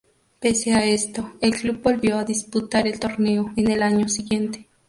Pese a esto, el club volvió a disputar el torneo en el año siguiente.